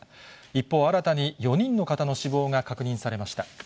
一方、新たに４人の方の死亡が確認されました。